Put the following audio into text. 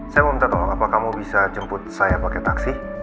saya mau minta tahu apa kamu bisa jemput saya pakai taksi